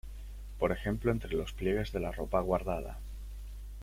Por ejemplo, entre los pliegues de la ropa guardada.